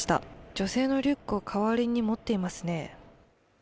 女性のリュックを代わりに持っていますね。